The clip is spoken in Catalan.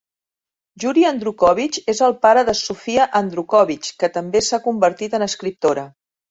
Yuri Andrukhovych és el pare de Sofia Andrukhovych, que també s'ha convertit en escriptora.